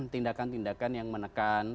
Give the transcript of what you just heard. tindakan tindakan yang menekan